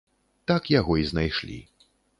Так яго і знайшлі.